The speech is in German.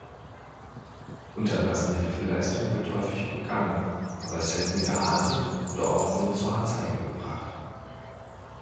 Unterlassene Hilfeleistung wird häufig begangen, aber selten geahndet oder auch nur zur Anzeige gebracht.